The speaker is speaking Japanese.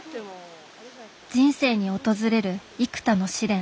人生に訪れる幾多の試練。